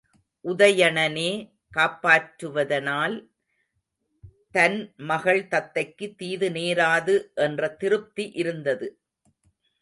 உதயணனே காப்பாற்றுவதனால், தன் மகள் தத்தைக்குத் தீது நேராது என்ற திருப்தி இருந்தது.